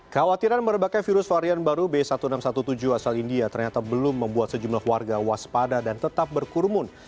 kekhawatiran berbagai virus varian baru b satu enam ratus tujuh belas asal india ternyata belum membuat sejumlah warga waspada dan tetap berkurumun